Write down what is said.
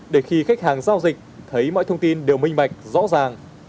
để khi khách hàng giao dịch thấy mọi thông tin đều minh bạch rõ ràng